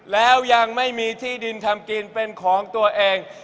แล้วยังไม่มีที่ดินทำกินเป็นของตัวเอง